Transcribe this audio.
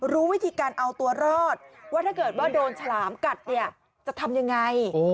รู้วิธีการเอาตัวรอดว่าถ้าเกิดว่าโดนฉลามกัดเนี่ยจะทำยังไง